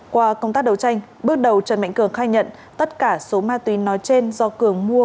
qua công tác đấu tranh bước đầu trần mạnh cường khai nhận tất cả số ma túy nói trên do cường mua